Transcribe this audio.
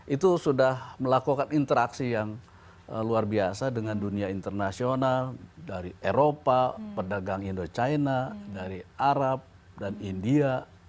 itu sudah melakukan interaksi yang luar biasa dengan dunia internasional dari eropa pedagang indo china dari arab dan india